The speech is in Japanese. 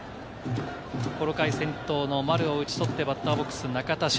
この回、先頭の丸を打ち取って、バッターボックスは中田翔。